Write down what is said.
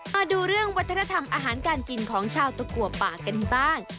มาดูเรื่องวัฒนธรรมอาหารการกินของชาวตะกัวป่ากันบ้าง